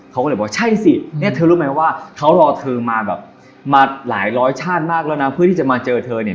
เขาก็เลยบอกใช่สิเนี่ยเธอรู้ไหมว่าเขารอเธอมาแบบมาหลายร้อยชาติมากแล้วนะเพื่อที่จะมาเจอเธอเนี่ย